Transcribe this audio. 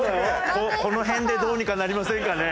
この辺でどうにかなりませんかね？